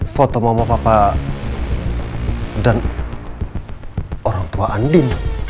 foto mama papa dan orang tua andin